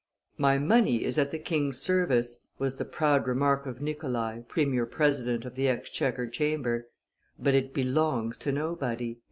"My money is at the king's service," was the proud remark of Nicolai, premier president of the Exchequer Chamber, "but it belongs to nobody."